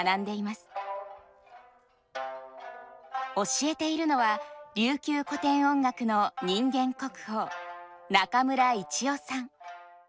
教えているのは琉球古典音楽の人間国宝中村一雄さん。